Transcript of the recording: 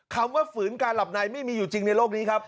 คำว่าฝืนการหลับในไม่มีอยู่จริงในโลกนี้ครับ